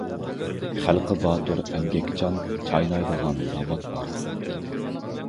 خەلقى باتۇر، ئەمگەكچان، چاينايدىغان ناۋات بار.